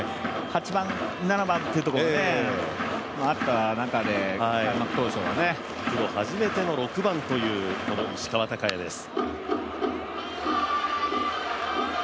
８番、７番というところもあった中でプロ初めての６番という、この石川昂弥です。